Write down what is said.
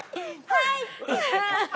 はい！